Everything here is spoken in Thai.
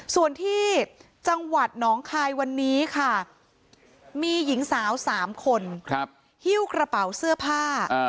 ส่วนที่จังหวัดหนองคายวันนี้ค่ะมีหญิงสาว๓คนฮิ้วกระเป๋าเสื้อผ้า